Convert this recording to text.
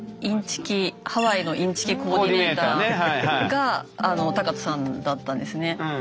ハワイのインチキコーディネーターが学仁さんだったんですね。